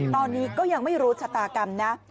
ตอนนี้ก็ยังไม่รู้ชะตากรรมนะ